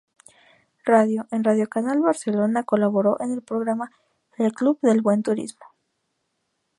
Radio: En Radio Kanal Barcelona colaboró en el programa "El club del buen turismo".